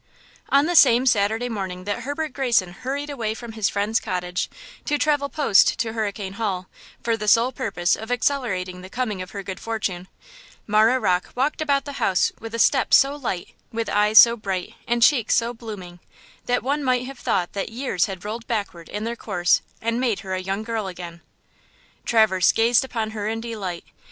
ON the same Saturday morning that Herbert Greyson hurried away from his friend's cottage, to travel post to Hurricane Hall, for the sole purpose of accelerating the coming of her good fortune, Marah Rocke walked about the house with a step so light, with eyes so bright and cheeks so blooming, that one might have thought that years had rolled backward in their course and made her a young girl again. Traverse gazed upon her in delight.